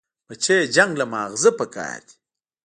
بچيه جنگ له مازغه پکار دي.